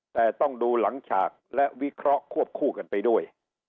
แต่ต้องดูหลังฉากและวิเคราะห์ควบคู่กันไปด้วย